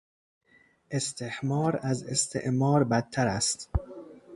استحمار از استعمار بدتر است